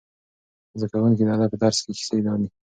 زده کوونکي د ادب په درس کې کیسې لوړي.